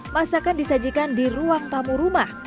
masakan disajikan di ruang tamu rumah